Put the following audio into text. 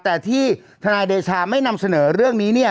แต่ที่ทนายเดชาไม่นำเสนอเรื่องนี้เนี่ย